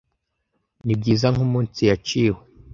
Nibyiza nkumunsi yaciwe--